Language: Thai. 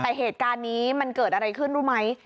แต่เหตุการณ์นี้มันเกิดอะไรขึ้นรู้ไหม